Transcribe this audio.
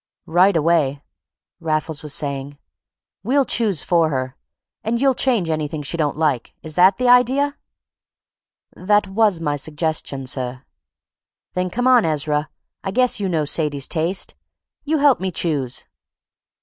"Right away," Raffles was saying. "We'll choose for her, and you'll change anything she don't like. Is that the idea?" "That was my suggestion, sir." "Then come on, Ezra. I guess you know Sadie's taste. You help me choose."